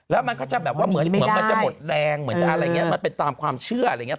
แล้วมันก็จะแบบว่าเหมือนมันจะหมดแรงเหมือนจะอะไรอย่างนี้มันเป็นตามความเชื่ออะไรอย่างนี้